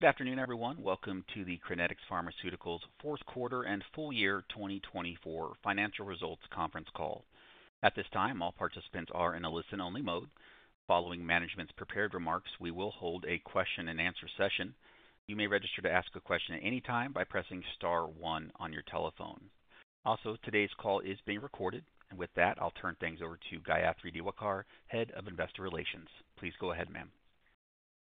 Good afternoon, everyone. Welcome to the Crinetics Pharmaceuticals fourth quarter and full year 2024 financial results conference call. At this time, all participants are in a listen-only mode. Following management's prepared remarks, we will hold a question-and-answer session. You may register to ask a question at any time by pressing star one on your telephone. Also, today's call is being recorded, and with that, I'll turn things over to Gayathri Diwakar, Head of Investor Relations. Please go ahead, ma'am.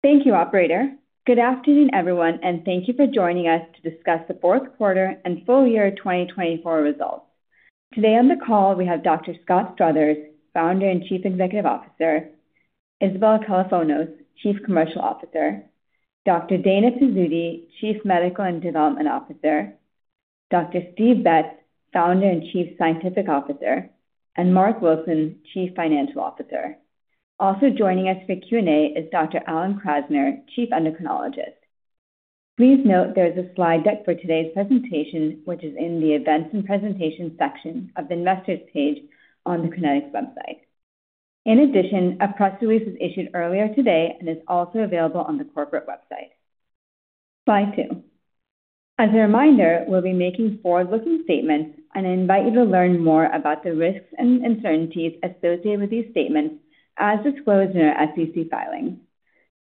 Thank you, operator. Good afternoon, everyone, and thank you for joining us to discuss the fourth quarter and full year 2024 results. Today on the call, we have Dr. Scott Struthers, founder and Chief Executive Officer, Isabel Kalofonos, Chief Commercial Officer, Dr. Dana Pizzuti, Chief Medical and Development Officer, Dr. Steve Betz, founder and Chief Scientific Officer, and Marc Wilson, Chief Financial Officer. Also joining us for Q&A is Dr. Alan Krasner, Chief Endocrinologist. Please note there is a slide deck for today's presentation, which is in the Events and Presentations section of the Investors' page on the Crinetics website. In addition, a press release was issued earlier today and is also available on the corporate website. Slide two. As a reminder, we'll be making forward-looking statements, and I invite you to learn more about the risks and uncertainties associated with these statements, as disclosed in our SEC filings.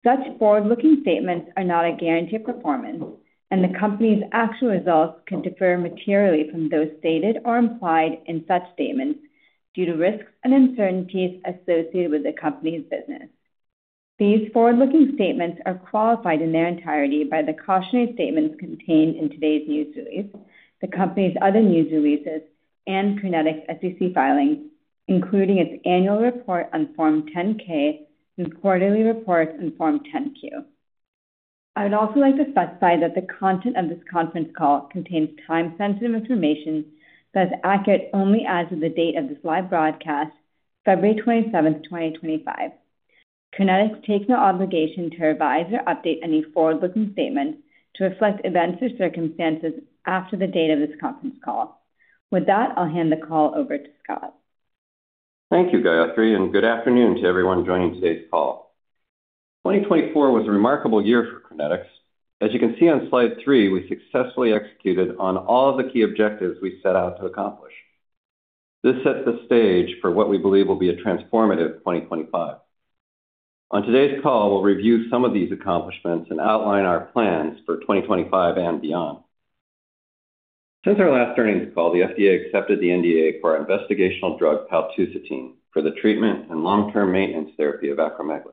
Such forward-looking statements are not a guarantee of performance, and the company's actual results can differ materially from those stated or implied in such statements due to risks and uncertainties associated with the company's business. These forward-looking statements are qualified in their entirety by the cautionary statements contained in today's news release, the company's other news releases, and Crinetics' SEC filings, including its annual report on Form 10-K and quarterly reports on Form 10-Q. I would also like to specify that the content of this conference call contains time-sensitive information that is accurate only as of the date of this live broadcast, February 27th, 2025. Crinetics takes no obligation to revise or update any forward-looking statements to reflect events or circumstances after the date of this conference call. With that, I'll hand the call over to Scott. Thank you, Gayathri, and good afternoon to everyone joining today's call. 2024 was a remarkable year for Crinetics. As you can see on slide three, we successfully executed on all of the key objectives we set out to accomplish. This set the stage for what we believe will be a transformative 2025. On today's call, we'll review some of these accomplishments and outline our plans for 2025 and beyond. Since our last earnings call, the FDA accepted the NDA for our investigational drug, paltusotine, for the treatment and long-term maintenance therapy of acromegaly.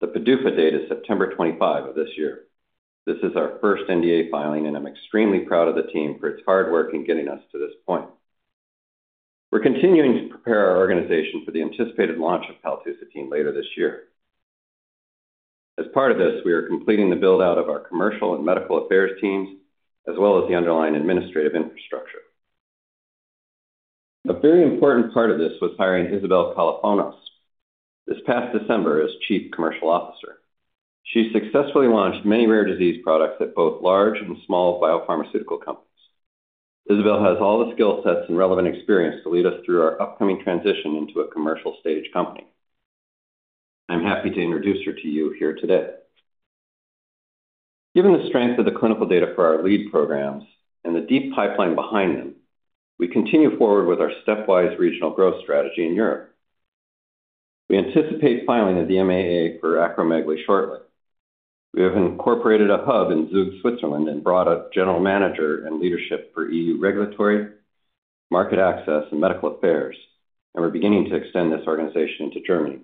The PDUFA date is September 25 of this year. This is our first NDA filing, and I'm extremely proud of the team for its hard work in getting us to this point. We're continuing to prepare our organization for the anticipated launch of paltusotine later this year. As part of this, we are completing the build-out of our commercial and medical affairs teams, as well as the underlying administrative infrastructure. A very important part of this was hiring Isabel Kalofonos this past December as Chief Commercial Officer. She successfully launched many rare disease products at both large and small biopharmaceutical companies. Isabel has all the skill sets and relevant experience to lead us through our upcoming transition into a commercial-stage company. I'm happy to introduce her to you here today. Given the strength of the clinical data for our lead programs and the deep pipeline behind them, we continue forward with our stepwise regional growth strategy in Europe. We anticipate filing an MAA for acromegaly shortly. We have incorporated a hub in Zug, Switzerland, and brought a general manager and leadership for EU regulatory, market access, and medical affairs, and we're beginning to extend this organization into Germany.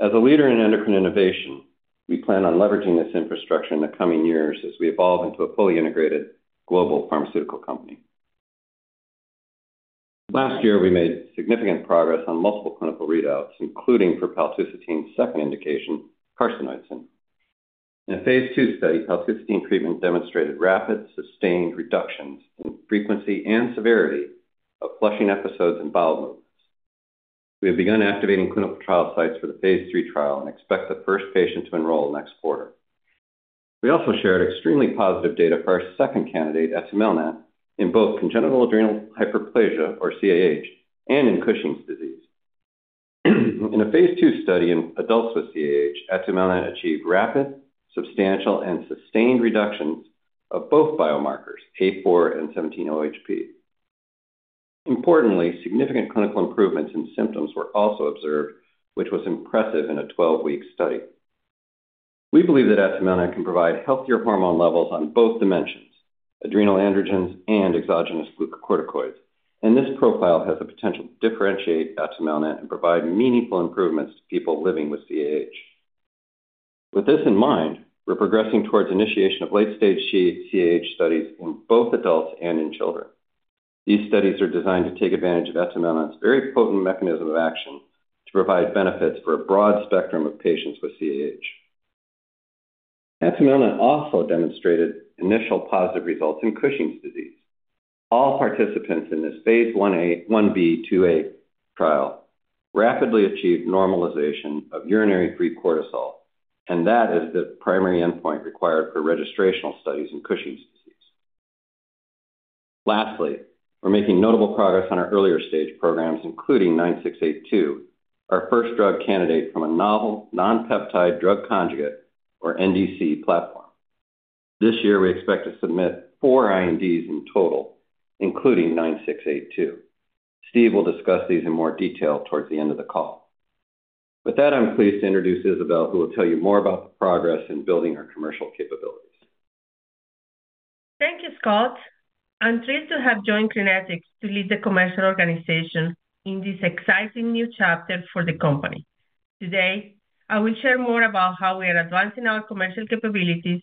As a leader in endocrine innovation, we plan on leveraging this infrastructure in the coming years as we evolve into a fully integrated global pharmaceutical company. Last year, we made significant progress on multiple clinical readouts, including for paltusotine's second indication, carcinoid syndrome. In a phase II study, paltusotine treatment demonstrated rapid, sustained reductions in frequency and severity of flushing episodes and bowel movements. We have begun activating clinical trial sites for the phase III trial and expect the first patient to enroll next quarter. We also shared extremely positive data for our second candidate, atumelnant, in both congenital adrenal hyperplasia, or CAH, and in Cushing's disease. In a phase II study in adults with CAH, atumelnant achieved rapid, substantial, and sustained reductions of both biomarkers, A4 and 17-OHP. Importantly, significant clinical improvements in symptoms were also observed, which was impressive in a 12-week study. We believe that atumelnant can provide healthier hormone levels on both dimensions: adrenal androgens and exogenous glucocorticoids, and this profile has the potential to differentiate atumelnant and provide meaningful improvements to people living with CAH. With this in mind, we're progressing towards initiation of late-stage CAH studies in both adults and in children. These studies are designed to take advantage of atumelnant's very potent mechanism of action to provide benefits for a broad spectrum of patients with CAH. Atumelnant also demonstrated initial positive results in Cushing's disease. All participants in this phase I-A, I-B, II-A trial rapidly achieved normalization of urinary free cortisol, and that is the primary endpoint required for registrational studies in Cushing's disease. Lastly, we're making notable progress on our earlier stage programs, including 9682, our first drug candidate from a novel non-peptide drug conjugate, or NDC, platform. This year, we expect to submit four INDs in total, including 9682. Steve will discuss these in more detail toward the end of the call. With that, I'm pleased to introduce Isabel, who will tell you more about the progress in building our commercial capabilities. Thank you, Scott. I'm thrilled to have joined Crinetics to lead the commercial organization in this exciting new chapter for the company. Today, I will share more about how we are advancing our commercial capabilities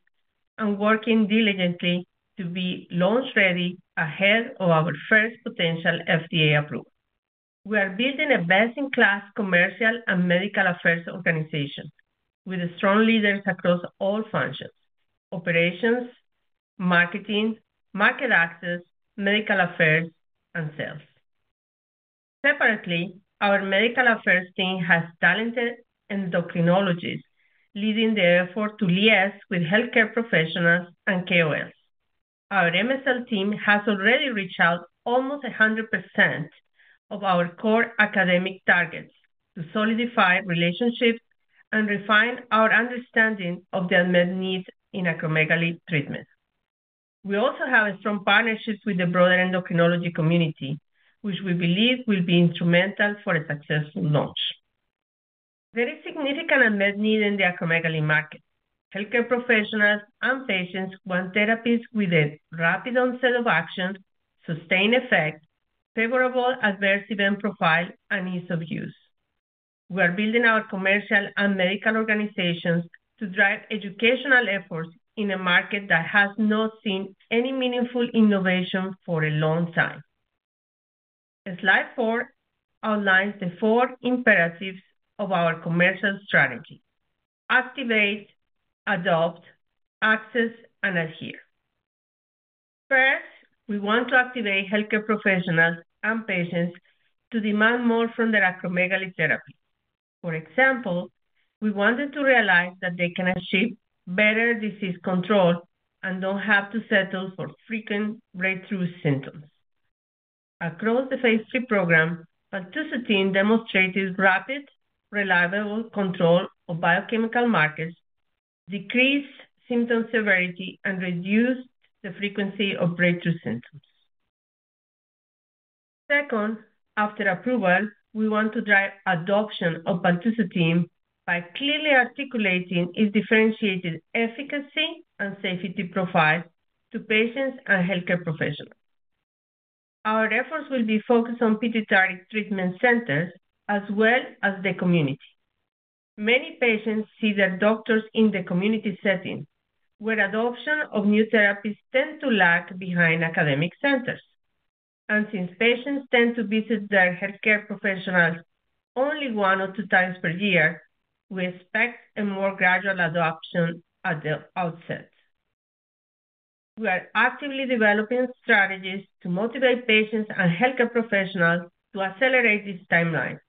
and working diligently to be launch-ready ahead of our first potential FDA approval. We are building a best-in-class commercial and medical affairs organization with strong leaders across all functions: operations, marketing, market access, medical affairs, and sales. Separately, our medical affairs team has talented endocrinologists leading the effort to liaise with healthcare professionals and KOLs. Our MSL team has already reached out almost 100% of our core academic targets to solidify relationships and refine our understanding of the unmet needs in acromegaly treatment. We also have strong partnerships with the broader endocrinology community, which we believe will be instrumental for a successful launch. There is significant unmet need in the acromegaly market. Healthcare professionals and patients want therapies with a rapid onset of action, sustained effect, favorable adverse event profile, and ease of use. We are building our commercial and medical organizations to drive educational efforts in a market that has not seen any meaningful innovation for a long time. Slide four outlines the four imperatives of our commercial strategy: activate, adopt, access, and adhere. First, we want to activate healthcare professionals and patients to demand more from their acromegaly therapy. For example, we want them to realize that they can achieve better disease control and don't have to settle for frequent breakthrough symptoms. Across the phase III program, paltusotine demonstrated rapid, reliable control of biochemical markers, decreased symptom severity, and reduced the frequency of breakthrough symptoms. Second, after approval, we want to drive adoption of paltusotine by clearly articulating its differentiated efficacy and safety profile to patients and healthcare professionals. Our efforts will be focused on pituitary treatment centers as well as the community. Many patients see their doctors in the community setting, where adoption of new therapies tends to lag behind academic centers. And since patients tend to visit their healthcare professionals only one or two times per year, we expect a more gradual adoption at the outset. We are actively developing strategies to motivate patients and healthcare professionals to accelerate this timeline.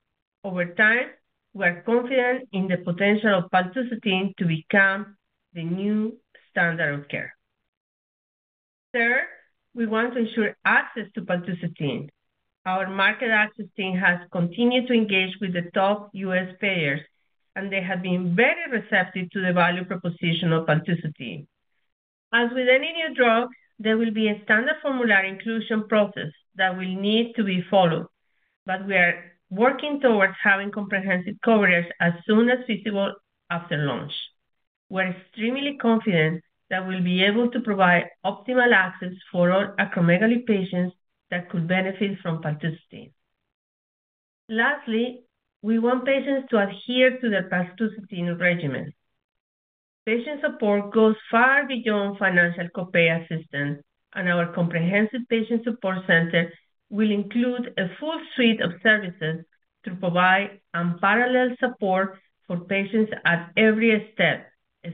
Over time, we are confident in the potential of paltusotine to become the new standard of care. Third, we want to ensure access to paltusotine. Our market access team has continued to engage with the top U.S. payers, and they have been very receptive to the value proposition of paltusotine. As with any new drug, there will be a standard formulary inclusion process that will need to be followed, but we are working towards having comprehensive coverage as soon as feasible after launch. We're extremely confident that we'll be able to provide optimal access for all acromegaly patients that could benefit from paltusotine. Lastly, we want patients to adhere to their paltusotine regimen. Patient support goes far beyond financial co-pay assistance, and our comprehensive patient support center will include a full suite of services to provide unparalleled support for patients at every step,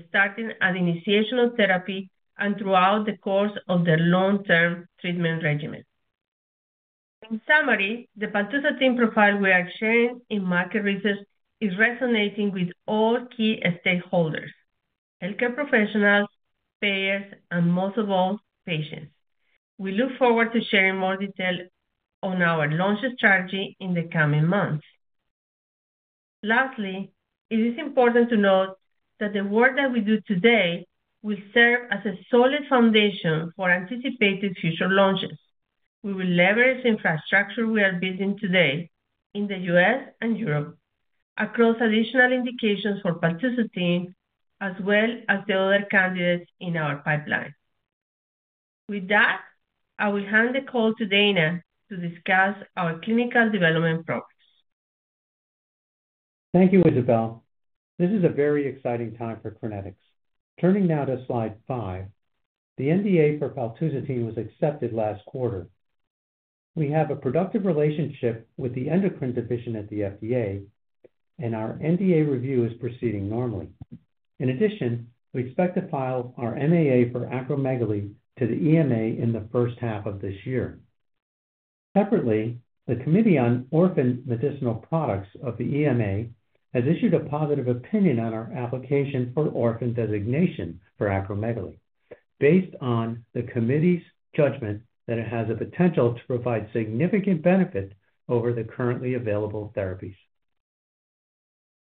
starting at initiation of therapy and throughout the course of their long-term treatment regimen. In summary, the paltusotine profile we are sharing in market research is resonating with all key stakeholders: healthcare professionals, payers, and most of all, patients. We look forward to sharing more detail on our launch strategy in the coming months. Lastly, it is important to note that the work that we do today will serve as a solid foundation for anticipated future launches. We will leverage the infrastructure we are building today in the U.S. and Europe, across additional indications for paltusotine, as well as the other candidates in our pipeline. With that, I will hand the call to Dana to discuss our clinical development progress. Thank you, Isabel. This is a very exciting time for Crinetics. Turning now to slide five, the NDA for paltusotine was accepted last quarter. We have a productive relationship with the endocrine division at the FDA, and our NDA review is proceeding normally. In addition, we expect to file our MAA for acromegaly to the EMA in the first half of this year. Separately, the Committee on Orphan Medicinal Products of the EMA has issued a positive opinion on our application for orphan designation for acromegaly, based on the committee's judgment that it has the potential to provide significant benefit over the currently available therapies.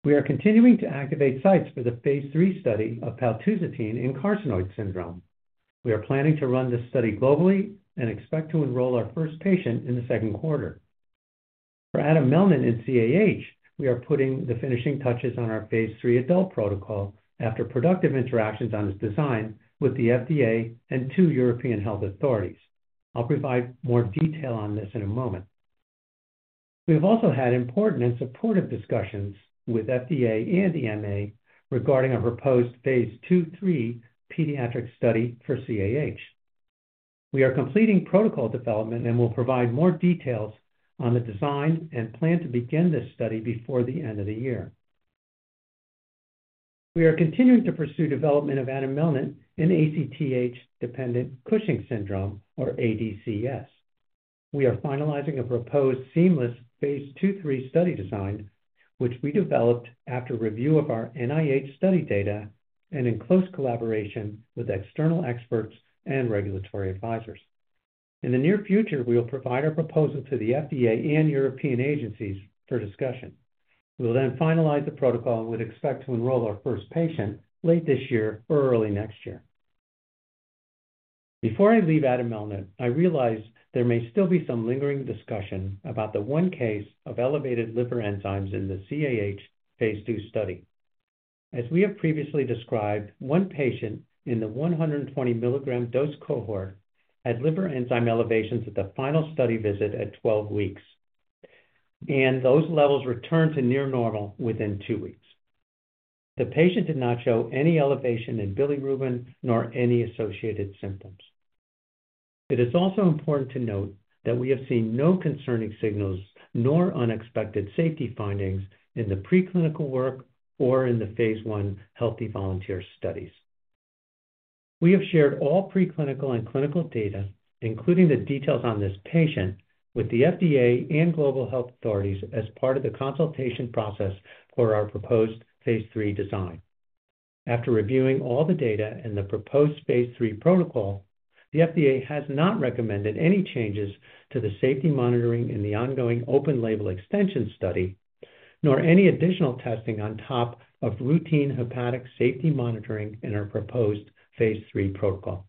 We are continuing to activate sites for the phase III study of paltusotine in carcinoid syndrome. We are planning to run this study globally and expect to enroll our first patient in the second quarter. For atumelnant in CAH, we are putting the finishing touches on our phase III adult protocol after productive interactions on its design with the FDA and two European health authorities. I'll provide more detail on this in a moment. We have also had important and supportive discussions with FDA and EMA regarding our proposed phase II-III pediatric study for CAH. We are completing protocol development and will provide more details on the design and plan to begin this study before the end of the year. We are continuing to pursue development of atumelnant in ACTH-dependent Cushing's syndrome, or ADCS. We are finalizing a proposed seamless phase II-III study design, which we developed after review of our NIH study data and in close collaboration with external experts and regulatory advisors. In the near future, we will provide our proposal to the FDA and European agencies for discussion. We'll then finalize the protocol and would expect to enroll our first patient late this year or early next year. Before I leave atumelnant, I realize there may still be some lingering discussion about the one case of elevated liver enzymes in the CAH phase II study. As we have previously described, one patient in the 120-milligram dose cohort had liver enzyme elevations at the final study visit at 12 weeks, and those levels returned to near normal within two weeks. The patient did not show any elevation in bilirubin nor any associated symptoms. It is also important to note that we have seen no concerning signals nor unexpected safety findings in the preclinical work or in the phase I healthy volunteer studies. We have shared all preclinical and clinical data, including the details on this patient, with the FDA and global health authorities as part of the consultation process for our proposed phase III design. After reviewing all the data and the proposed phase III protocol, the FDA has not recommended any changes to the safety monitoring in the ongoing open-label extension study, nor any additional testing on top of routine hepatic safety monitoring in our proposed phase III protocol.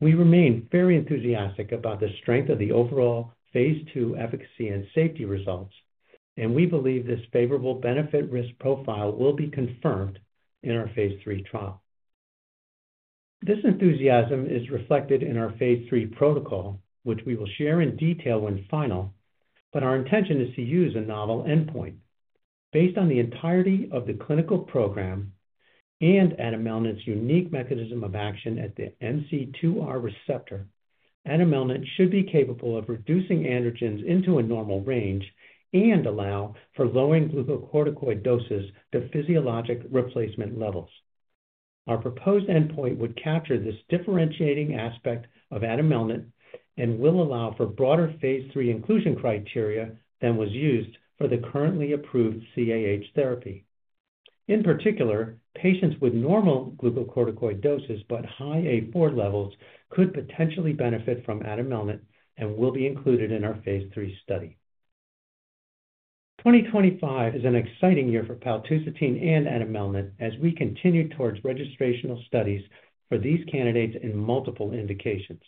We remain very enthusiastic about the strength of the overall phase II efficacy and safety results, and we believe this favorable benefit-risk profile will be confirmed in our phase III trial. This enthusiasm is reflected in our phase III protocol, which we will share in detail when final, but our intention is to use a novel endpoint. Based on the entirety of the clinical program and atumelnant's unique mechanism of action at the MC2R receptor, atumelnant should be capable of reducing androgens into a normal range and allow for lowering glucocorticoid doses to physiologic replacement levels. Our proposed endpoint would capture this differentiating aspect of atumelnant and will allow for broader phase III inclusion criteria than was used for the currently approved CAH therapy. In particular, patients with normal glucocorticoid doses but high A4 levels could potentially benefit from atumelnant and will be included in our phase III study. 2025 is an exciting year for paltusotine and atumelnant as we continue towards registrational studies for these candidates in multiple indications.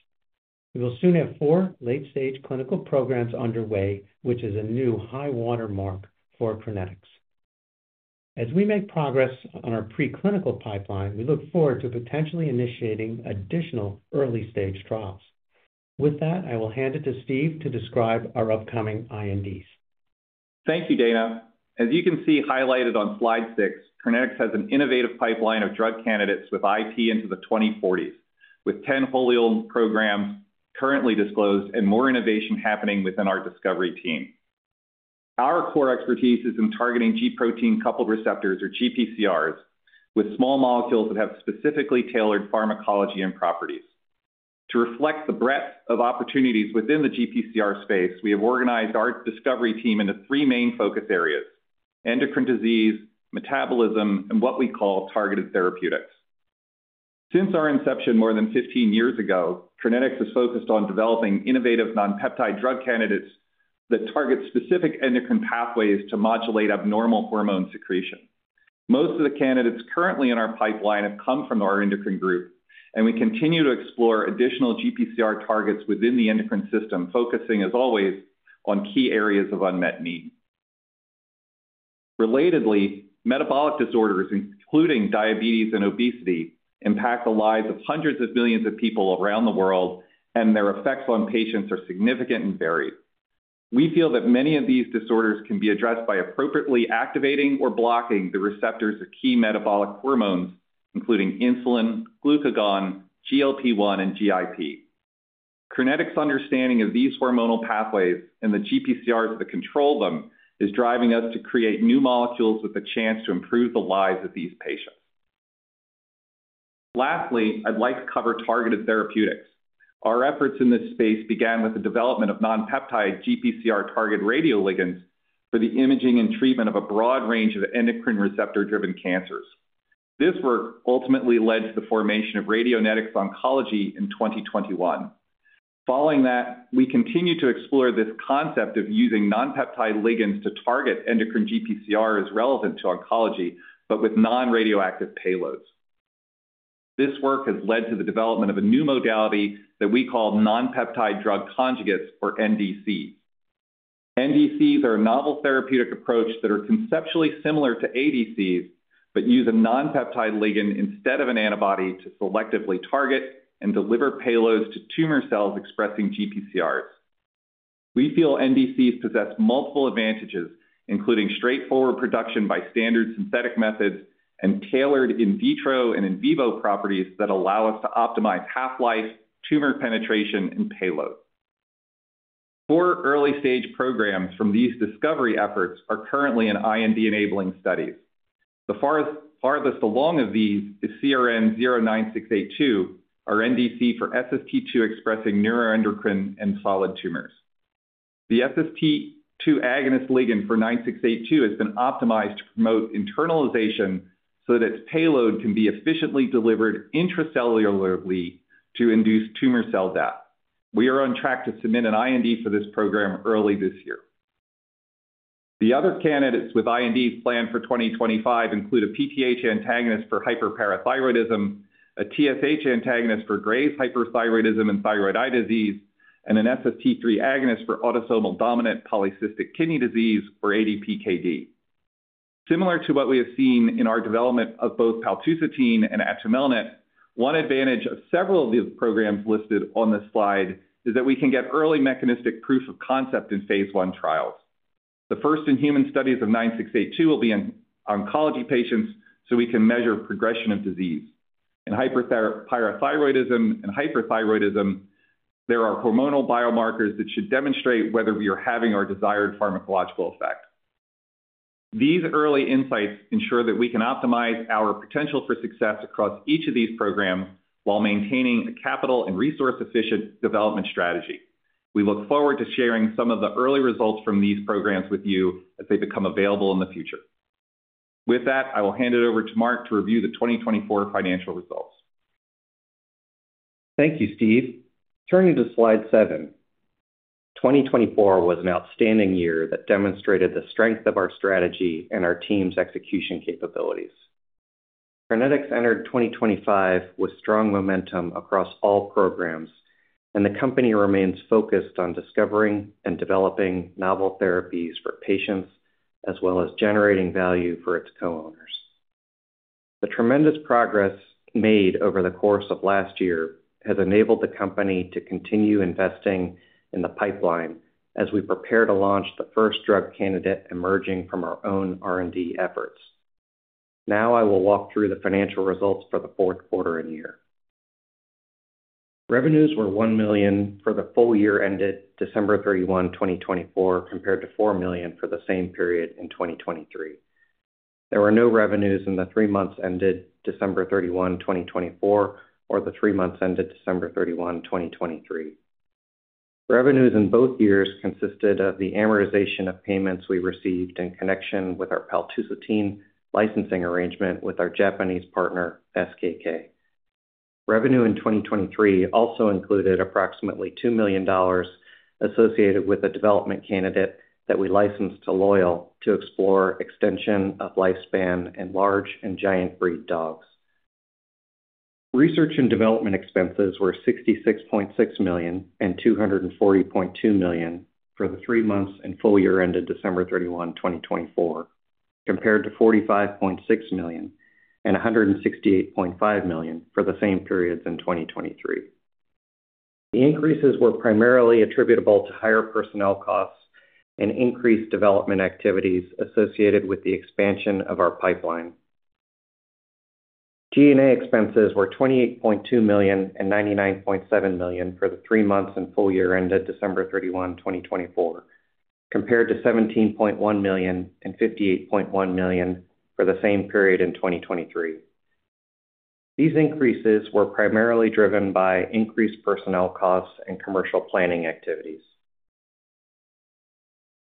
We will soon have four late-stage clinical programs underway, which is a new high-water mark for Crinetics. As we make progress on our preclinical pipeline, we look forward to potentially initiating additional early-stage trials. With that, I will hand it to Steve to describe our upcoming INDs. Thank you, Dana. As you can see highlighted on slide six, Crinetics has an innovative pipeline of drug candidates with IP into the 2040s, with 10 wholly-owned programs currently disclosed and more innovation happening within our discovery team. Our core expertise is in targeting G-protein coupled receptors, or GPCRs, with small molecules that have specifically tailored pharmacology and properties. To reflect the breadth of opportunities within the GPCR space, we have organized our discovery team into three main focus areas: endocrine disease, metabolism, and what we call targeted therapeutics. Since our inception more than 15 years ago, Crinetics has focused on developing innovative non-peptide drug candidates that target specific endocrine pathways to modulate abnormal hormone secretion. Most of the candidates currently in our pipeline have come from our endocrine group, and we continue to explore additional GPCR targets within the endocrine system, focusing, as always, on key areas of unmet need. Relatedly, metabolic disorders, including diabetes and obesity, impact the lives of hundreds of millions of people around the world, and their effects on patients are significant and varied. We feel that many of these disorders can be addressed by appropriately activating or blocking the receptors of key metabolic hormones, including insulin, glucagon, GLP-1, and GIP. Crinetics' understanding of these hormonal pathways and the GPCRs that control them is driving us to create new molecules with the chance to improve the lives of these patients. Lastly, I'd like to cover targeted therapeutics. Our efforts in this space began with the development of non-peptide GPCR targeted radioligands for the imaging and treatment of a broad range of endocrine receptor-driven cancers. This work ultimately led to the formation of Radionetics Oncology in 2021. Following that, we continue to explore this concept of using non-peptide ligands to target endocrine GPCR as relevant to oncology, but with non-radioactive payloads. This work has led to the development of a new modality that we call non-peptide drug conjugates, or NDCs. NDCs are a novel therapeutic approach that are conceptually similar to ADCs but use a non-peptide ligand instead of an antibody to selectively target and deliver payloads to tumor cells expressing GPCRs. We feel NDCs possess multiple advantages, including straightforward production by standard synthetic methods and tailored in vitro and in vivo properties that allow us to optimize half-life, tumor penetration, and payload. Four early-stage programs from these discovery efforts are currently in IND-enabling studies. The farthest along of these is CRN09682, our NDC for SST2-expressing neuroendocrine and solid tumors. The SST2 agonist ligand for 9682 has been optimized to promote internalization so that its payload can be efficiently delivered intracellularly to induce tumor cell death. We are on track to submit an IND for this program early this year. The other candidates with INDs planned for 2025 include a PTH antagonist for hyperparathyroidism, a TSH antagonist for Graves' hyperthyroidism and thyroid eye disease, and an SST3 agonist for autosomal dominant polycystic kidney disease, or ADPKD. Similar to what we have seen in our development of both paltusotine and atumelnant, one advantage of several of these programs listed on this slide is that we can get early mechanistic proof of concept in phase one trials. The first in human studies of 9682 will be in oncology patients, so we can measure progression of disease. In hyperparathyroidism and hyperthyroidism, there are hormonal biomarkers that should demonstrate whether we are having our desired pharmacological effect. These early insights ensure that we can optimize our potential for success across each of these programs while maintaining a capital and resource-efficient development strategy. We look forward to sharing some of the early results from these programs with you as they become available in the future. With that, I will hand it over to Marc to review the 2024 financial results. Thank you, Steve. Turning to slide seven, 2024 was an outstanding year that demonstrated the strength of our strategy and our team's execution capabilities. Crinetics entered 2025 with strong momentum across all programs, and the company remains focused on discovering and developing novel therapies for patients, as well as generating value for its co-owners. The tremendous progress made over the course of last year has enabled the company to continue investing in the pipeline as we prepare to launch the first drug candidate emerging from our own R&D efforts. Now I will walk through the financial results for the fourth quarter and year. Revenues were $1 million for the full year ended December 31, 2024, compared to $4 million for the same period in 2023. There were no revenues in the three months ended December 31, 2024, or the three months ended December 31, 2023. Revenues in both years consisted of the amortization of payments we received in connection with our paltusotine licensing arrangement with our Japanese partner, SKK. Revenue in 2023 also included approximately $2 million associated with a development candidate that we licensed to Loyal to explore extension of lifespan in large and giant breed dogs. Research and development expenses were $66.6 million and $240.2 million for the three months and full year ended December 31, 2024, compared to $45.6 million and $168.5 million for the same periods in 2023. The increases were primarily attributable to higher personnel costs and increased development activities associated with the expansion of our pipeline. G&A expenses were $28.2 million and $99.7 million for the three months and full year ended December 31, 2024, compared to $17.1 million and $58.1 million for the same period in 2023. These increases were primarily driven by increased personnel costs and commercial planning activities.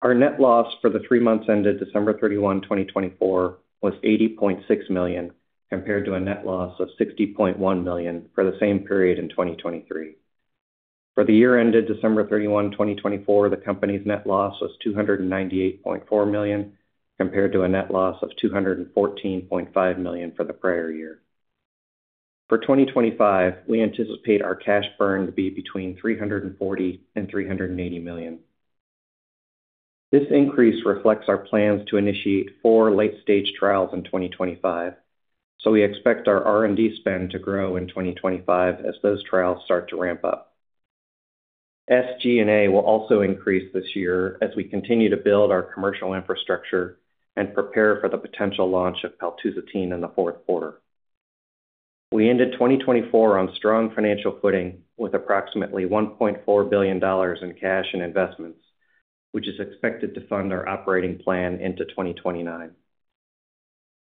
Our net loss for the three months ended December 31, 2024, was $80.6 million, compared to a net loss of $60.1 million for the same period in 2023. For the year ended December 31, 2024, the company's net loss was $298.4 million, compared to a net loss of $214.5 million for the prior year. For 2025, we anticipate our cash burn to be between $340 million and $380 million. This increase reflects our plans to initiate four late-stage trials in 2025, so we expect our R&D spend to grow in 2025 as those trials start to ramp up. SG&A will also increase this year as we continue to build our commercial infrastructure and prepare for the potential launch of paltusotine in the fourth quarter. We ended 2024 on strong financial footing with approximately $1.4 billion in cash and investments, which is expected to fund our operating plan into 2029.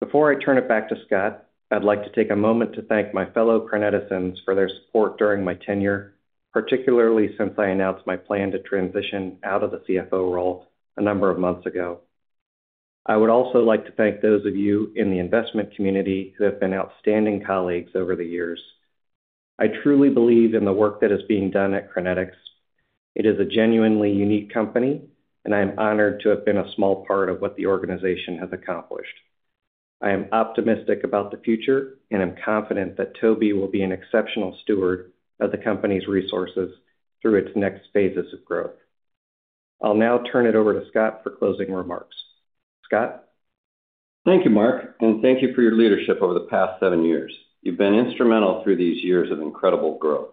Before I turn it back to Scott, I'd like to take a moment to thank my fellow Crinetics for their support during my tenure, particularly since I announced my plan to transition out of the CFO role a number of months ago. I would also like to thank those of you in the investment community who have been outstanding colleagues over the years. I truly believe in the work that is being done at Crinetics. It is a genuinely unique company, and I am honored to have been a small part of what the organization has accomplished. I am optimistic about the future and am confident that Toby will be an exceptional steward of the company's resources through its next phases of growth. I'll now turn it over to Scott for closing remarks. Scott. Thank you, Marc, and thank you for your leadership over the past seven years. You've been instrumental through these years of incredible growth.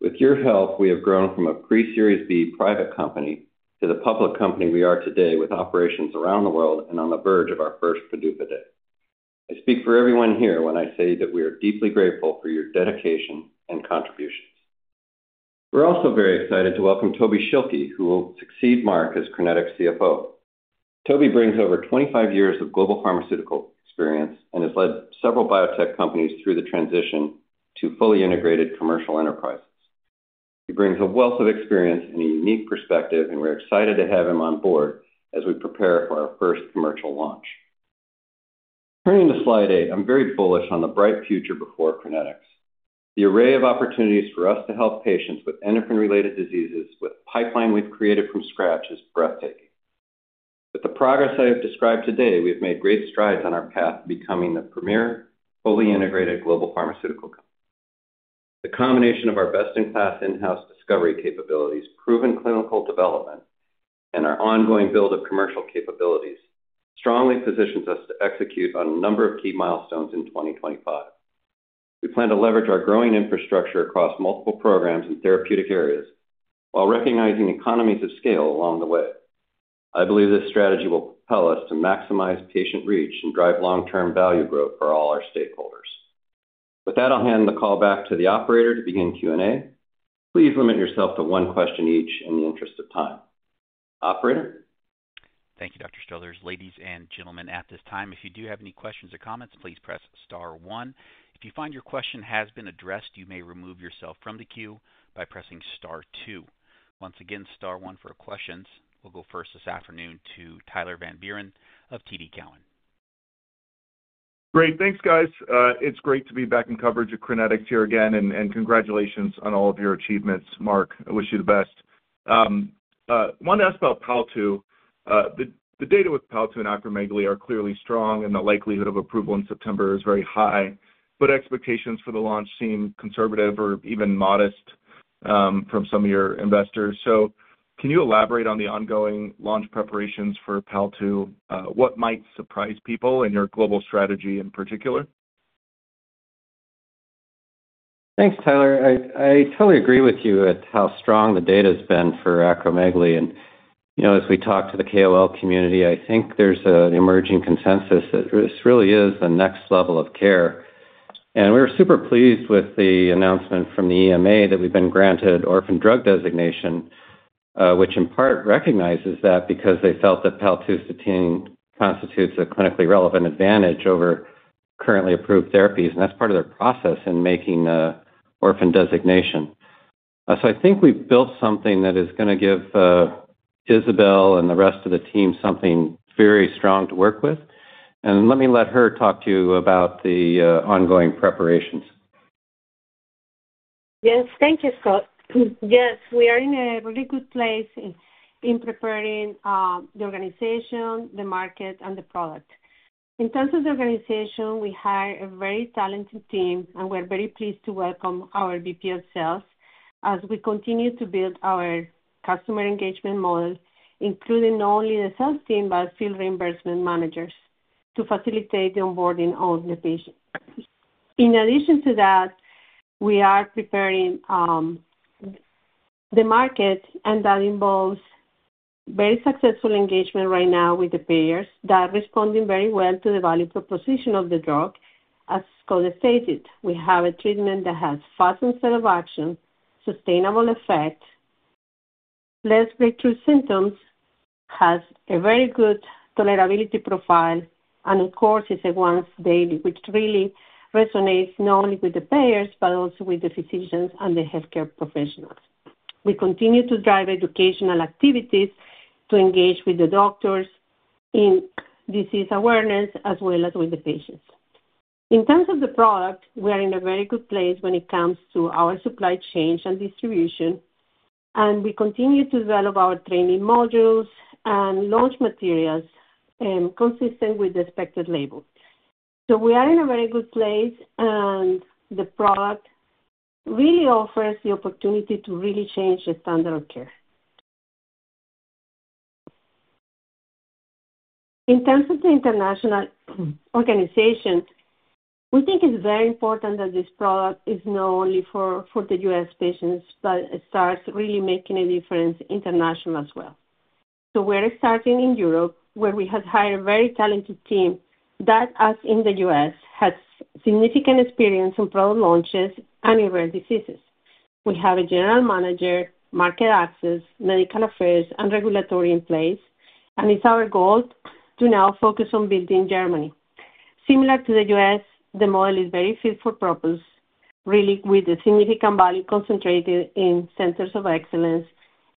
With your help, we have grown from a pre-Series B private company to the public company we are today, with operations around the world and on the verge of our first PDUFA day. I speak for everyone here when I say that we are deeply grateful for your dedication and contributions. We're also very excited to welcome Toby Schilke, who will succeed Marc as Crinetics CFO. Toby brings over 25 years of global pharmaceutical experience and has led several biotech companies through the transition to fully integrated commercial enterprises. He brings a wealth of experience and a unique perspective, and we're excited to have him on board as we prepare for our first commercial launch. Turning to slide eight, I'm very bullish on the bright future before Crinetics. The array of opportunities for us to help patients with endocrine-related diseases with a pipeline we've created from scratch is breathtaking. With the progress I have described today, we've made great strides on our path to becoming the premier fully integrated global pharmaceutical company. The combination of our best-in-class in-house discovery capabilities, proven clinical development, and our ongoing build of commercial capabilities strongly positions us to execute on a number of key milestones in 2025. We plan to leverage our growing infrastructure across multiple programs and therapeutic areas while recognizing economies of scale along the way. I believe this strategy will propel us to maximize patient reach and drive long-term value growth for all our stakeholders. With that, I'll hand the call back to the operator to begin Q&A. Please limit yourself to one question each in the interest of time. Operator. Thank you, Dr. Struthers. Ladies and gentlemen, at this time, if you do have any questions or comments, please press star one. If you find your question has been addressed, you may remove yourself from the queue by pressing star two. Once again, star one for questions. We'll go first this afternoon to Tyler Van Buren of TD Cowen. Great. Thanks, guys. It's great to be back in coverage of Crinetics here again, and congratulations on all of your achievements, Marc. I wish you the best. I wanted to ask about Paltu. The data with Paltu and acromegaly are clearly strong, and the likelihood of approval in September is very high, but expectations for the launch seem conservative or even modest from some of your investors. So can you elaborate on the ongoing launch preparations for Paltu? What might surprise people in your global strategy in particular? Thanks, Tyler. I totally agree with you at how strong the data has been for acromegaly. As we talk to the KOL community, I think there's an emerging consensus that this really is the next level of care. We're super pleased with the announcement from the EMA that we've been granted orphan drug designation, which in part recognizes that because they felt that paltusotine constitutes a clinically relevant advantage over currently approved therapies, and that's part of their process in making the orphan designation. I think we've built something that is going to give Isabel and the rest of the team something very strong to work with. Let me let her talk to you about the ongoing preparations. Yes, thank you, Scott. Yes, we are in a really good place in preparing the organization, the market, and the product. In terms of the organization, we hire a very talented team, and we're very pleased to welcome our VP of sales as we continue to build our customer engagement model, including not only the sales team, but field reimbursement managers to facilitate the onboarding of the patient. In addition to that, we are preparing the market, and that involves very successful engagement right now with the payers that are responding very well to the value proposition of the drug. As Scott stated, we have a treatment that has a fast set of actions, sustainable effect, less breakthrough symptoms, has a very good tolerability profile, and of course, it's a once daily, which really resonates not only with the payers, but also with the physicians and the healthcare professionals. We continue to drive educational activities to engage with the doctors in disease awareness as well as with the patients. In terms of the product, we are in a very good place when it comes to our supply chain and distribution, and we continue to develop our training modules and launch materials consistent with the expected label. So we are in a very good place, and the product really offers the opportunity to really change the standard of care. In terms of the international organization, we think it's very important that this product is not only for the U.S. patients, but it starts really making a difference internationally as well. So we're starting in Europe, where we have hired a very talented team that, as in the U.S., has significant experience in product launches and in rare diseases. We have a general manager, market access, medical affairs, and regulatory in place, and it's our goal to now focus on building Germany. Similar to the U.S., the model is very fit for purpose, really with a significant value concentrated in centers of excellence,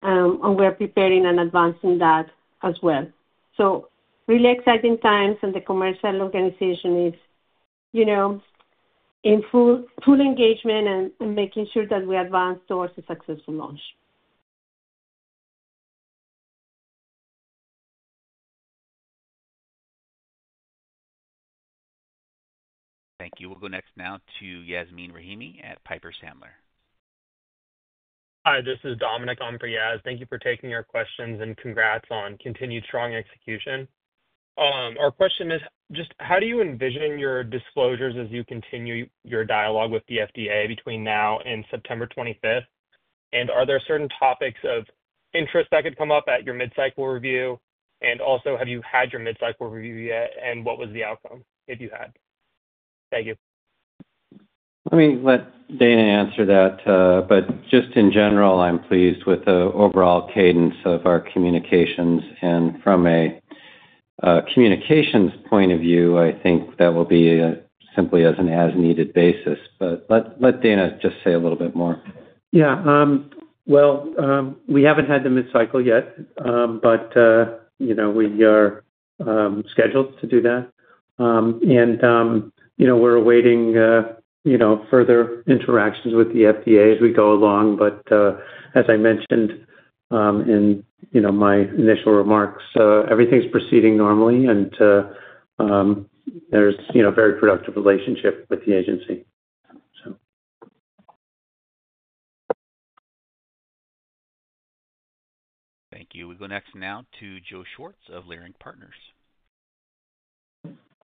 and we're preparing and advancing that as well. So really exciting times, and the commercial organization is in full engagement and making sure that we advance towards a successful launch. Thank you. We'll go next now to Yasmeen Rahimi at Piper Sandler. Hi, this is Dominic on for Yaz. Thank you for taking our questions and congrats on continued strong execution. Our question is just how do you envision your disclosures as you continue your dialogue with the FDA between now and September 25th? And are there certain topics of interest that could come up at your mid-cycle review? And also, have you had your mid-cycle review yet, and what was the outcome if you had? Thank you. Let me let Dana answer that. But just in general, I'm pleased with the overall cadence of our communications. And from a communications point of view, I think that will be simply as an as-needed basis. But let Dana just say a little bit more. Yeah. Well, we haven't had the mid-cycle yet, but we are scheduled to do that. And we're awaiting further interactions with the FDA as we go along. But as I mentioned in my initial remarks, everything's proceeding normally, and there's a very productive relationship with the agency, so. Thank you. We'll go next now to Joe Schwartz of Leerink Partners.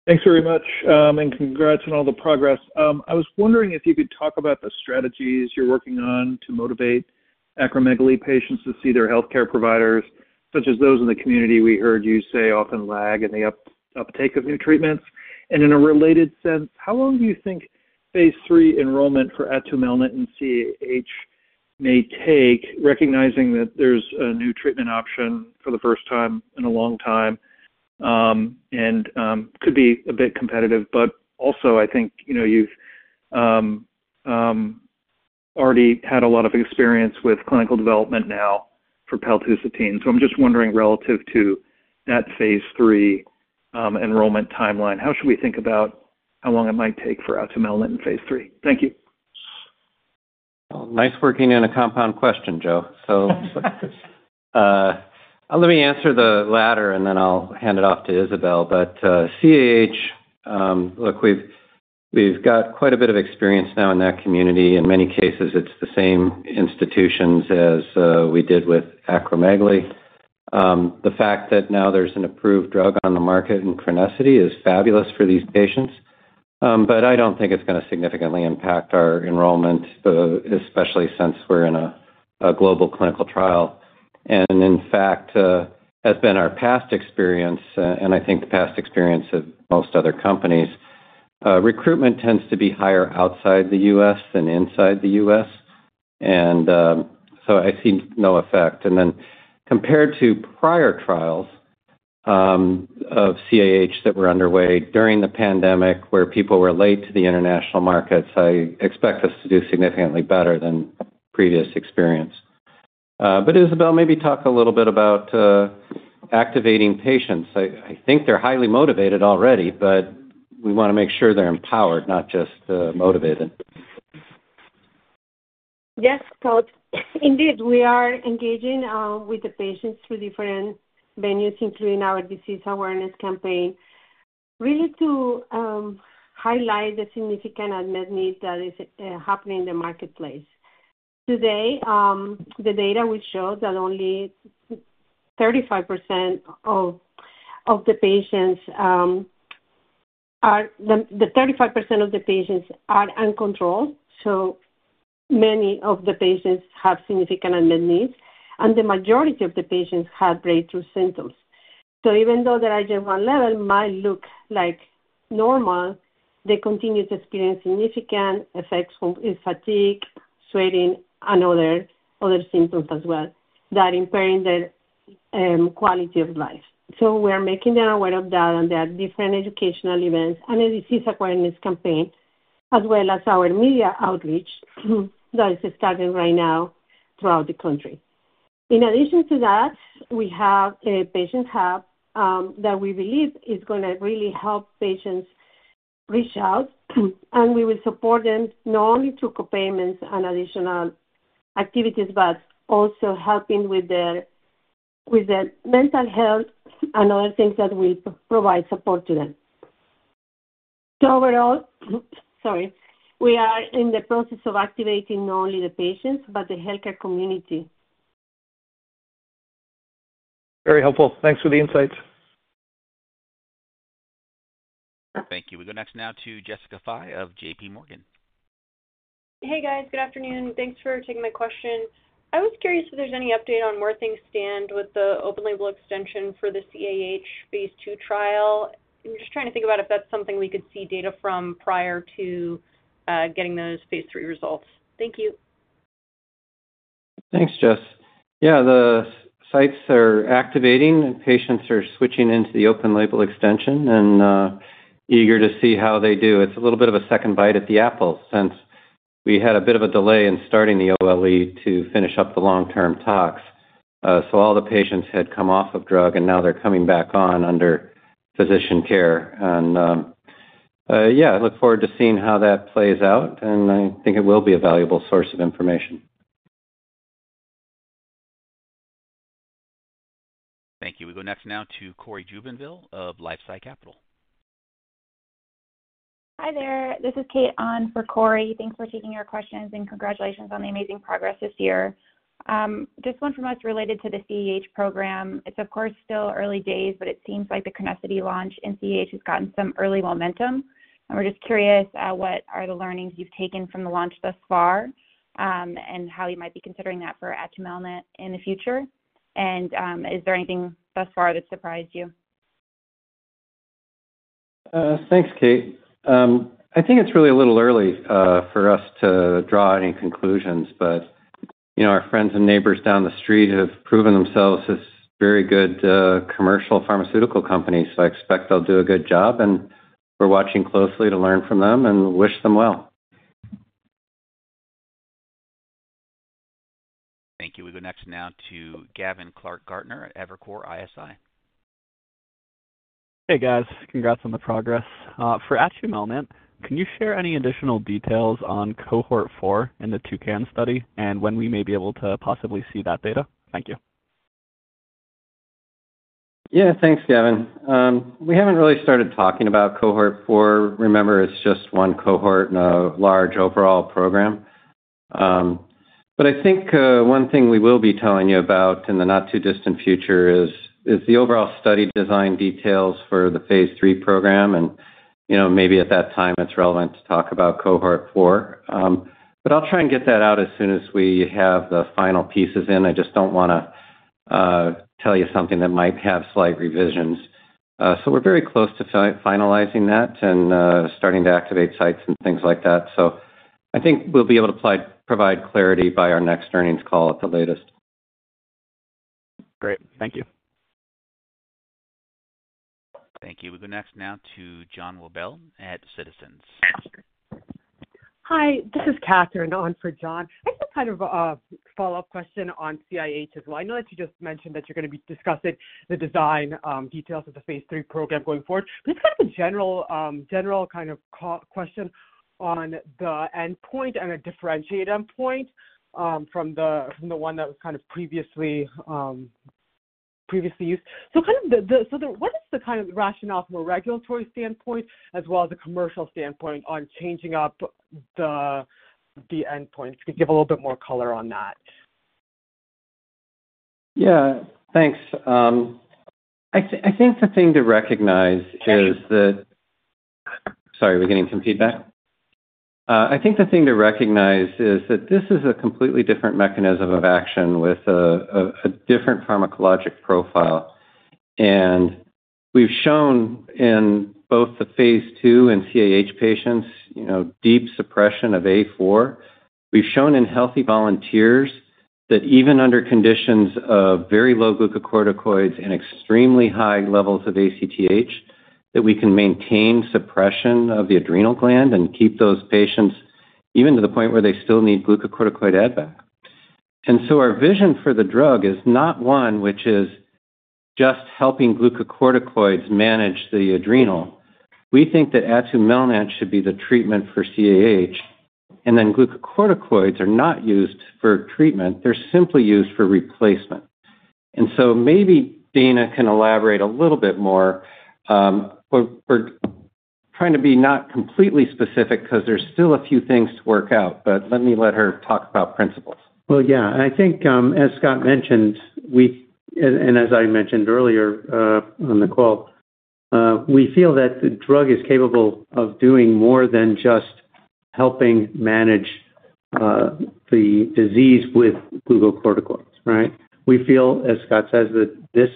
Thanks very much, and congrats on all the progress. I was wondering if you could talk about the strategies you're working on to motivate acromegaly patients to see their healthcare providers, such as those in the community we heard you say often lag in the uptake of new treatments, and in a related sense, how long do you think phase III enrollment for atumelnant and CAH may take, recognizing that there's a new treatment option for the first time in a long time and could be a bit competitive. But also, I think you've already had a lot of experience with clinical development now for paltusotine, so I'm just wondering, relative to that phase III enrollment timeline, how should we think about how long it might take for atumelnant in phase III? Thank you. Nice working in a compound question, Joe. Let me answer the latter, and then I'll hand it off to Isabel. CAH, look, we've got quite a bit of experience now in that community. In many cases, it's the same institutions as we did with acromegaly. The fact that now there's an approved drug on the market in Crinetics is fabulous for these patients, but I don't think it's going to significantly impact our enrollment, especially since we're in a global clinical trial. In fact, as has been our past experience, and I think the past experience of most other companies, recruitment tends to be higher outside the U.S. than inside the U.S. So I've seen no effect. And then compared to prior trials of CAH that were underway during the pandemic, where people were late to the international markets, I expect us to do significantly better than previous experience. But Isabel, maybe talk a little bit about activating patients. I think they're highly motivated already, but we want to make sure they're empowered, not just motivated. Yes, Scott. Indeed, we are engaging with the patients through different venues, including our disease awareness campaign, really to highlight the significant unmet need that is happening in the marketplace. Today, the data will show that only 35% of the patients are uncontrolled. So many of the patients have significant unmet needs, and the majority of the patients have breakthrough symptoms. So even though the IGF-1 level might look like normal, they continue to experience significant effects with fatigue, sweating, and other symptoms as well that impair their quality of life. So we are making them aware of that, and there are different educational events and a disease awareness campaign, as well as our media outreach that is starting right now throughout the country. In addition to that, we have a patient hub that we believe is going to really help patients reach out, and we will support them not only through co-payments and additional activities, but also helping with their mental health and other things that will provide support to them. So overall, sorry, we are in the process of activating not only the patients, but the healthcare community. Very helpful. Thanks for the insights. Thank you. We'll go next now to Jessica Fye of JPMorgan. Hey, guys. Good afternoon. Thanks for taking my question. I was curious if there's any update on where things stand with the open-label extension for the CAH phase II trial. I'm just trying to think about if that's something we could see data from prior to getting those phase III results. Thank you. Thanks, Jess. Yeah, the sites are activating, and patients are switching into the open-label extension and eager to see how they do. It's a little bit of a second bite at the apple since we had a bit of a delay in starting the OLE to finish up the long-term talks. So all the patients had come off of drug, and now they're coming back on under physician care. And yeah, I look forward to seeing how that plays out, and I think it will be a valuable source of information. Thank you. We'll go next now to Cory Jubinville of LifeSci Capital. Hi there. This is Kate on for Cory. Thanks for taking our questions, and congratulations on the amazing progress this year. Just one from us related to the CAH program. It's, of course, still early days, but it seems like the crinecerfont launch in CAH has gotten some early momentum. And we're just curious, what are the learnings you've taken from the launch thus far and how you might be considering that for atumelnant in the future? And is there anything thus far that surprised you? Thanks, Kate. I think it's really a little early for us to draw any conclusions, but our friends and neighbors down the street have proven themselves as very good commercial pharmaceutical companies. So I expect they'll do a good job, and we're watching closely to learn from them and wish them well. Thank you. We'll go next now to Gavin Clark-Gartner at Evercore ISI. Hey, guys. Congrats on the progress. For atumelnant, can you share any additional details on cohort four in the Toucan study and when we may be able to possibly see that data? Thank you. Yeah, thanks, Gavin. We haven't really started talking about cohort four. Remember, it's just one cohort in a large overall program. But I think one thing we will be telling you about in the not-too-distant future is the overall study design details for the phase III program. And maybe at that time, it's relevant to talk about cohort four. But I'll try and get that out as soon as we have the final pieces in. I just don't want to tell you something that might have slight revisions. So we're very close to finalizing that and starting to activate sites and things like that. So I think we'll be able to provide clarity by our next earnings call at the latest. Great. Thank you. Thank you. We'll go next now to John Wolleben at Citizens JMP. Hi, this is Catherine on for John. I have kind of a follow-up question on CAH as well. I know that you just mentioned that you're going to be discussing the design details of the phase III program going forward. But it's kind of a general kind of question on the endpoint and a differentiated endpoint from the one that was kind of previously used. So kind of what is the kind of rationale from a regulatory standpoint as well as a commercial standpoint on changing up the endpoint to give a little bit more color on that? Yeah, thanks. Sorry, are we getting some feedback? I think the thing to recognize is that this is a completely different mechanism of action with a different pharmacologic profile. And we've shown in both the phase II and CAH patients deep suppression of A4. We've shown in healthy volunteers that even under conditions of very low glucocorticoids and extremely high levels of ACTH, that we can maintain suppression of the adrenal gland and keep those patients even to the point where they still need glucocorticoid add-back. And so our vision for the drug is not one, which is just helping glucocorticoids manage the adrenal. We think that atumelnant should be the treatment for CAH, and then glucocorticoids are not used for treatment. They're simply used for replacement. And so maybe Dana can elaborate a little bit more. We're trying to be not completely specific because there's still a few things to work out, but let me let her talk about principles. Well, yeah. And I think, as Scott mentioned, and as I mentioned earlier on the call, we feel that the drug is capable of doing more than just helping manage the disease with glucocorticoids, right? We feel, as Scott says, that this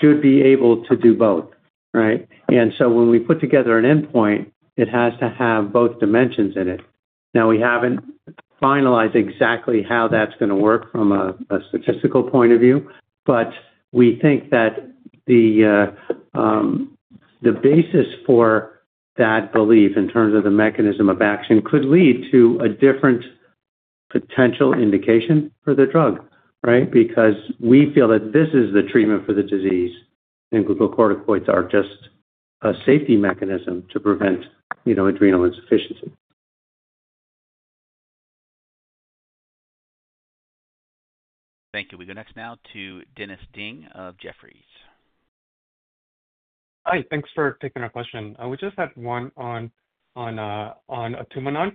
should be able to do both, right? And so when we put together an endpoint, it has to have both dimensions in it. Now, we haven't finalized exactly how that's going to work from a statistical point of view, but we think that the basis for that belief in terms of the mechanism of action could lead to a different potential indication for the drug, right? Because we feel that this is the treatment for the disease, and glucocorticoids are just a safety mechanism to prevent adrenal insufficiency. Thank you. We'll go next now to Dennis Ding of Jefferies. Hi. Thanks for taking our question. We just had one on atumelnant.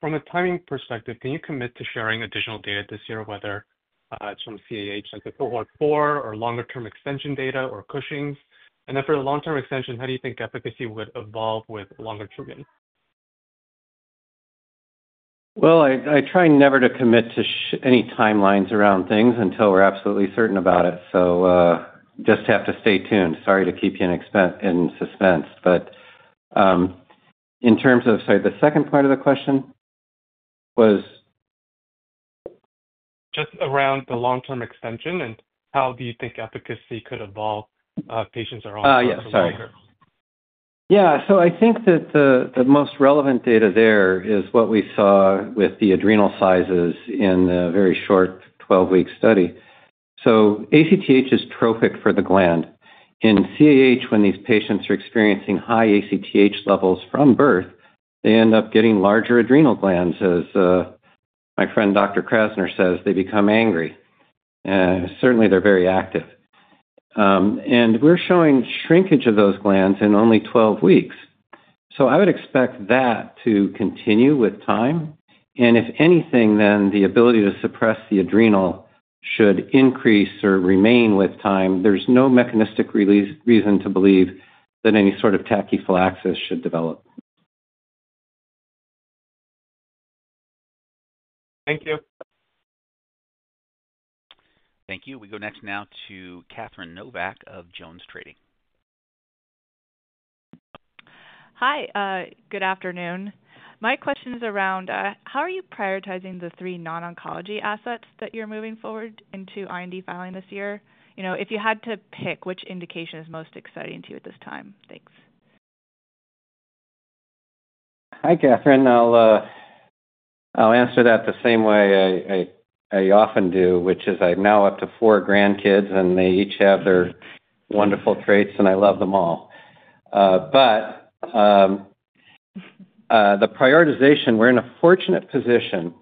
From a timing perspective, can you commit to sharing additional data this year, whether it's from CAH like a cohort four or longer-term extension data or Cushing's? And then for the long-term extension, how do you think efficacy would evolve with longer treatment? I try never to commit to any timelines around things until we're absolutely certain about it. So just have to stay tuned. Sorry to keep you in suspense. But in terms of, sorry, the second part of the question was? Just around the long-term extension and how do you think efficacy could evolve in patients over longer-term? Yeah, sorry. Yeah. So I think that the most relevant data there is what we saw with the adrenal sizes in the very short 12-week study. So ACTH is trophic for the gland. In CAH, when these patients are experiencing high ACTH levels from birth, they end up getting larger adrenal glands. As my friend Dr. Krasner says, they become angry. Certainly, they're very active. And we're showing shrinkage of those glands in only 12 weeks. So I would expect that to continue with time. And if anything, then the ability to suppress the adrenal should increase or remain with time. There's no mechanistic reason to believe that any sort of tachyphylaxis should develop. Thank you. Thank you. We'll go next now to Catherine Novack of JonesTrading. Hi. Good afternoon. My question is around how are you prioritizing the three non-oncology assets that you're moving forward into IND filing this year? If you had to pick, which indication is most exciting to you at this time? Thanks. Hi, Catherine. I'll answer that the same way I often do, which is I've now up to four grandkids, and they each have their wonderful traits, and I love them all. But the prioritization, we're in a fortunate position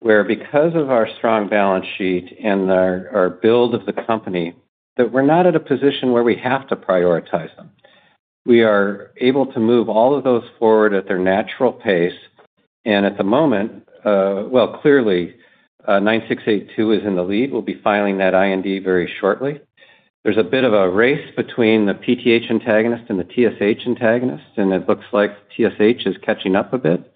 where, because of our strong balance sheet and our build of the company, that we're not at a position where we have to prioritize them. We are able to move all of those forward at their natural pace. And at the moment, well, clearly, 9682 is in the lead. We'll be filing that IND very shortly. There's a bit of a race between the PTH antagonist and the TSH antagonist, and it looks like TSH is catching up a bit.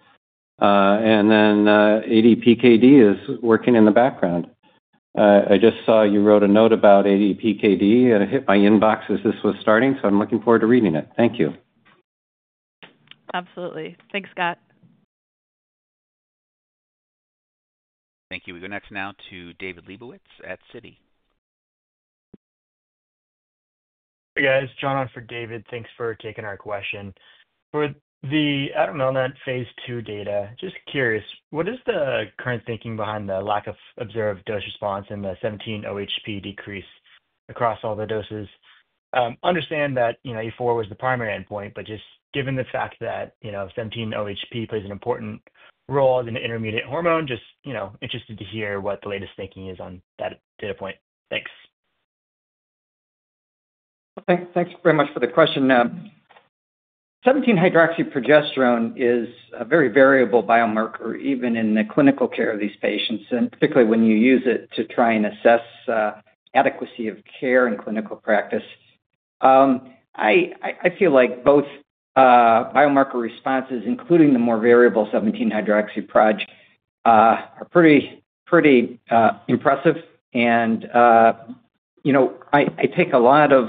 And then ADPKD is working in the background. I just saw you wrote a note about ADPKD, and it hit my inbox as this was starting, so I'm looking forward to reading it. Thank you. Absolutely. Thanks, Scott. Thank you. We'll go next now to David Lebowitz at Citi. Hey, guys. John on for David. Thanks for taking our question. For the atumelnant phase II data, just curious, what is the current thinking behind the lack of observed dose response in the 17-OHP decrease across all the doses? Understand that A4 was the primary endpoint, but just given the fact that 17-OHP plays an important role as an intermediate hormone, just interested to hear what the latest thinking is on that data point. Thanks. Thanks very much for the question. 17-hydroxyprogesterone is a very variable biomarker, even in the clinical care of these patients, and particularly when you use it to try and assess adequacy of care in clinical practice. I feel like both biomarker responses, including the more variable 17-hydroxyprogesterone, are pretty impressive. And I take a lot of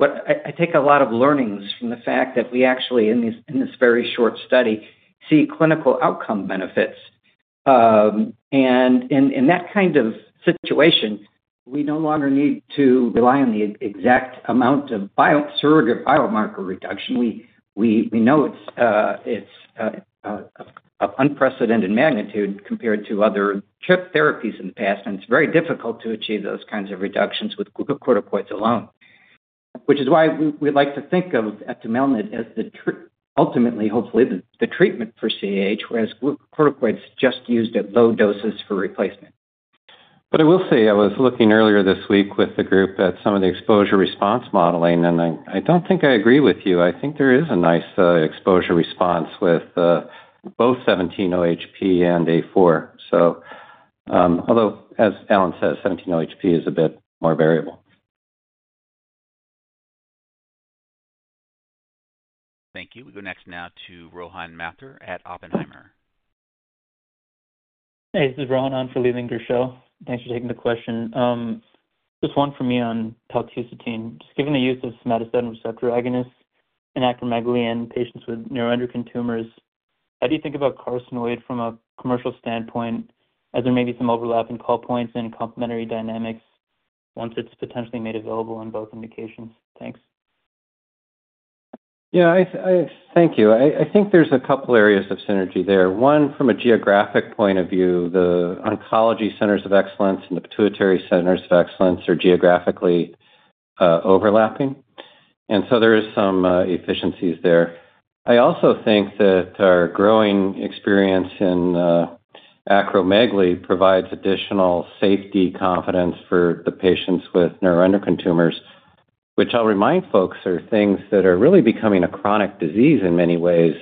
learnings from the fact that we actually, in this very short study, see clinical outcome benefits. And in that kind of situation, we no longer need to rely on the exact amount of surrogate biomarker reduction. We know it's of unprecedented magnitude compared to other CAH therapies in the past, and it's very difficult to achieve those kinds of reductions with glucocorticoids alone, which is why we like to think of atumelnant as ultimately, hopefully, the treatment for CAH, whereas glucocorticoids are just used at low doses for replacement. But I will say, I was looking earlier this week with the group at some of the exposure response modeling, and I don't think I agree with you. I think there is a nice exposure response with both 17-OHP and A4. So although, as Alan says, 17-OHP is a bit more variable. Thank you. We'll go next now to Rohan Mathur at Oppenheimer. Hey, this is Rohan Mathur from Oppenheimer. Thanks for taking the question. Just one from me on paltusotine. Just given the use of somatostatin receptor agonists in acromegaly in patients with neuroendocrine tumors, how do you think about carcinoid from a commercial standpoint, as there may be some overlapping call points and complementary dynamics once it's potentially made available in both indications? Thanks. Yeah, thank you. I think there's a couple areas of synergy there. One, from a geographic point of view, the oncology centers of excellence and the pituitary centers of excellence are geographically overlapping. And so there are some efficiencies there. I also think that our growing experience in acromegaly provides additional safety confidence for the patients with neuroendocrine tumors, which I'll remind folks are things that are really becoming a chronic disease in many ways.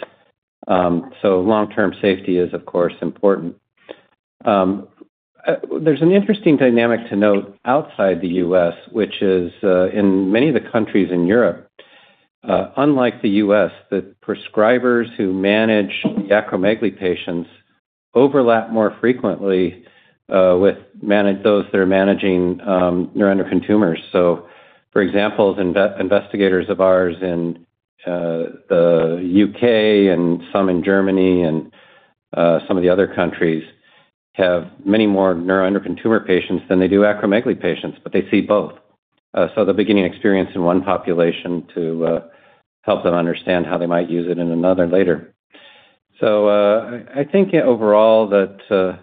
So long-term safety is, of course, important. There's an interesting dynamic to note outside the U.S., which is, in many of the countries in Europe, unlike the U.S., the prescribers who manage the acromegaly patients overlap more frequently with those that are managing neuroendocrine tumors. So for example, investigators of ours in the UK and some in Germany and some of the other countries have many more neuroendocrine tumor patients than they do acromegaly patients, but they see both. So they're beginning experience in one population to help them understand how they might use it in another later. So I think overall that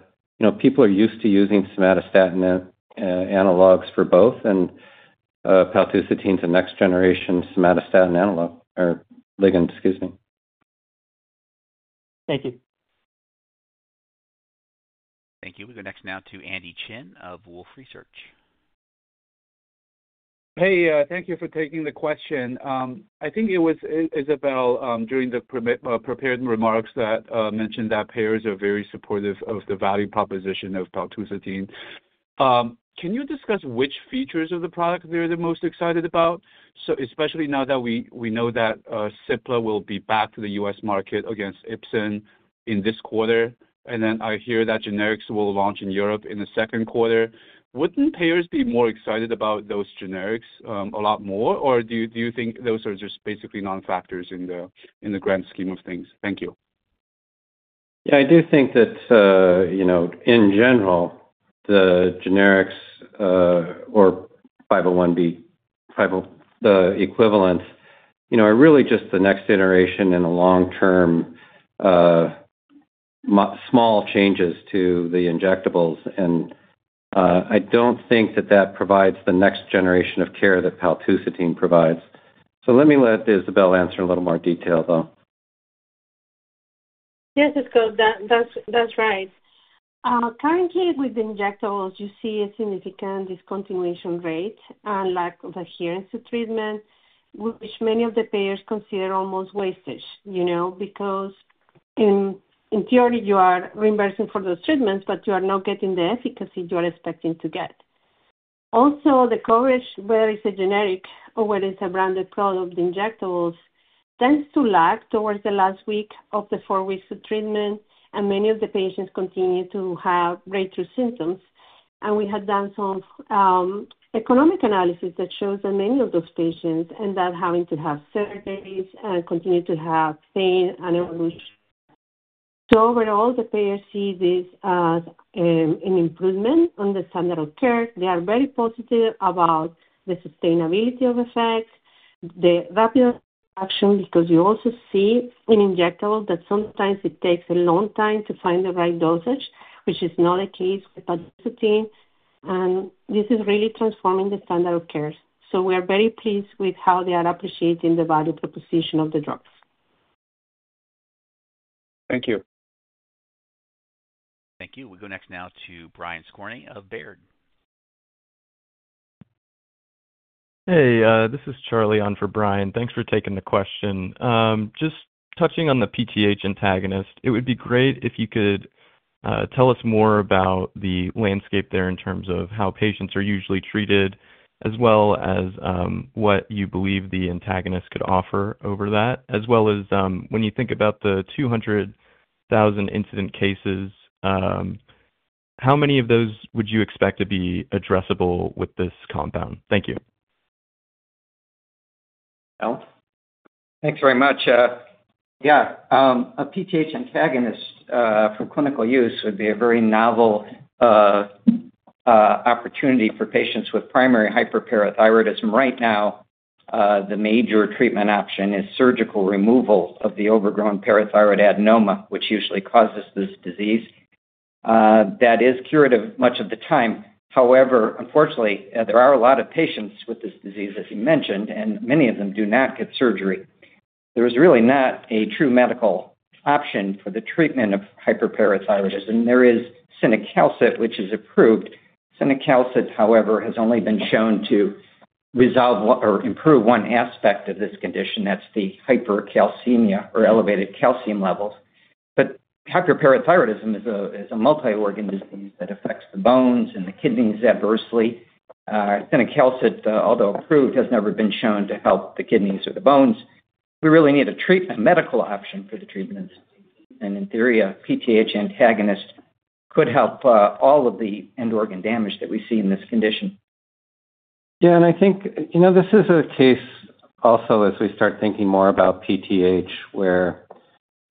people are used to using somatostatin analogs for both, and paltusotine is a next-generation somatostatin analog or ligand, excuse me. Thank you. Thank you. We'll go next now to Andy Chen of Wolfe Research. Hey, thank you for taking the question. I think it was Isabel during the prepared remarks that mentioned that payers are very supportive of the value proposition of paltusotine. Can you discuss which features of the product they're the most excited about? So especially now that we know that Cipla will be back to the US market against Ipsen in this quarter, and then I hear that generics will launch in Europe in the second quarter. Wouldn't payers be more excited about those generics a lot more, or do you think those are just basically non-factors in the grand scheme of things? Thank you. Yeah, I do think that in general, the generics or 505(b)(2), the equivalent, are really just the next iteration in the long-term small changes to the injectables, and I don't think that that provides the next generation of care that paltusotine provides, so let me let Isabel answer in a little more detail, though. Yes, Scott, that's right. Currently, with injectables, you see a significant discontinuation rate and lack of adherence to treatment, which many of the payers consider almost wastage. Because in theory, you are reimbursing for those treatments, but you are not getting the efficacy you are expecting to get. Also, the coverage, whether it's a generic or whether it's a branded product, the injectables tends to lag towards the last week of the four weeks of treatment, and many of the patients continue to have breakthrough symptoms, and we have done some economic analysis that shows that many of those patients end up having to have surgeries and continue to have pain and evolution, so overall, the payers see this as an improvement on the standard of care. They are very positive about the sustainability of effects, the rapid action, because you also see in injectables that sometimes it takes a long time to find the right dosage, which is not the case with paltusotine, and this is really transforming the standard of care, so we are very pleased with how they are appreciating the value proposition of the drugs. Thank you. Thank you. We'll go next now to Brian Skorney of Baird. Hey, this is Charlie on for Brian. Thanks for taking the question. Just touching on the PTH antagonist, it would be great if you could tell us more about the landscape there in terms of how patients are usually treated, as well as what you believe the antagonist could offer over that. As well as when you think about the 200,000 incidence cases, how many of those would you expect to be addressable with this compound? Thank you. Alan? Thanks very much. Yeah, a PTH antagonist for clinical use would be a very novel opportunity for patients with primary hyperparathyroidism. Right now, the major treatment option is surgical removal of the overgrown parathyroid adenoma, which usually causes this disease. That is curative much of the time. However, unfortunately, there are a lot of patients with this disease, as you mentioned, and many of them do not get surgery. There is really not a true medical option for the treatment of hyperparathyroidism. There is cinacalcet, which is approved. Cinacalcet, however, has only been shown to resolve or improve one aspect of this condition. That's the hypercalcemia or elevated calcium levels. But hyperparathyroidism is a multi-organ disease that affects the bones and the kidneys adversely. Cinacalcet, although approved, has never been shown to help the kidneys or the bones. We really need a medical option for the treatment of this disease. In theory, a PTH antagonist could help all of the end-organ damage that we see in this condition. Yeah, and I think this is a case also as we start thinking more about PTH, where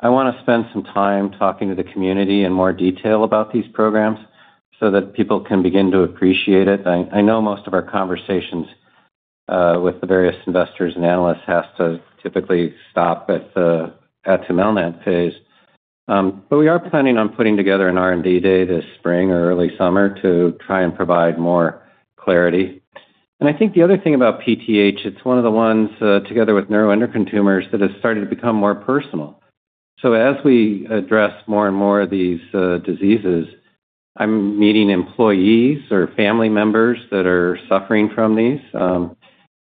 I want to spend some time talking to the community in more detail about these programs so that people can begin to appreciate it. I know most of our conversations with the various investors and analysts have to typically stop at the atumelnant phase. But we are planning on putting together an R&D day this spring or early summer to try and provide more clarity. And I think the other thing about PTH, it's one of the ones together with neuroendocrine tumors that has started to become more personal. So as we address more and more of these diseases, I'm meeting employees or family members that are suffering from these.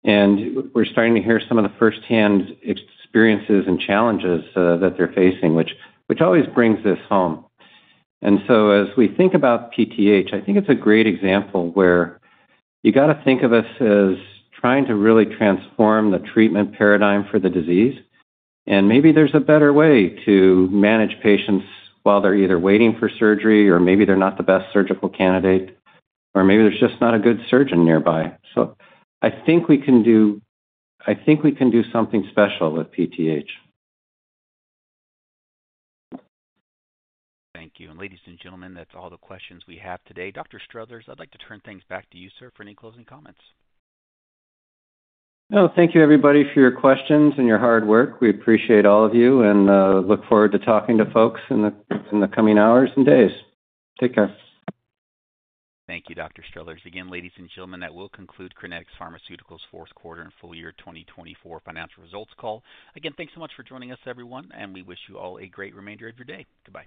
And we're starting to hear some of the firsthand experiences and challenges that they're facing, which always brings this home. And so as we think about PTH, I think it's a great example where you got to think of us as trying to really transform the treatment paradigm for the disease. And maybe there's a better way to manage patients while they're either waiting for surgery, or maybe they're not the best surgical candidate, or maybe there's just not a good surgeon nearby. So I think we can do something special with PTH. Thank you. And ladies and gentlemen, that's all the questions we have today. Dr. Struthers, I'd like to turn things back to you, sir, for any closing comments. No, thank you, everybody, for your questions and your hard work. We appreciate all of you and look forward to talking to folks in the coming hours and days. Take care. Thank you, Dr. Struthers. Again, ladies and gentlemen, that will conclude Crinetics Pharmaceuticals' fourth quarter and full year 2024 financial results call. Again, thanks so much for joining us, everyone, and we wish you all a great remainder of your day. Goodbye.